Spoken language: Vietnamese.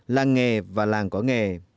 làng nghề và làng có nghề